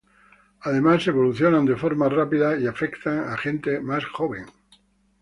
Además, evolucionan de forma rápida y afectan a gente más joven.